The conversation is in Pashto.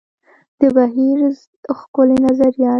د بهیر ښکلي نظریات.